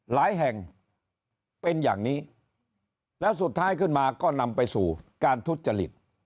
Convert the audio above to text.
หลายแห่งเป็นอย่างนี้แล้วสุดท้ายขึ้นมาก็นำไปสู่การทุจริต